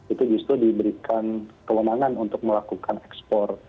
itu justru diberikan kewenangan untuk melakukan ekspor